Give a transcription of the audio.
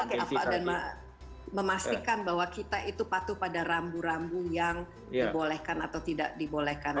bagaimana dan memastikan bahwa kita itu patuh pada rambu rambu yang dibolehkan atau tidak dibolehkan